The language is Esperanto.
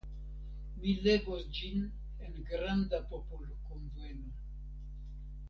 Mi legos ĝin en granda popolkunveno.